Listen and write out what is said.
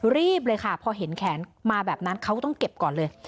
รีบเลยค่ะพอเห็นแขนมาแบบนั้นเขาก็ต้องเก็บก่อนเลย